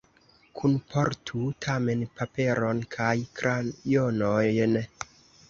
Kunportu tamen paperon kaj krajonojn.